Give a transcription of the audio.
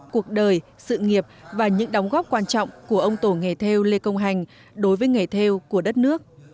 cuộc đời sự nghiệp và những đóng góp quan trọng của ông tổ nghề theo lê công hành đối với nghề theo của đất nước